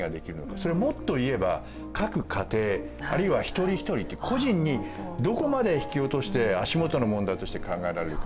それをもっと言えば各家庭あるいは一人一人って個人にどこまで引き落として足元の問題として考えられるか。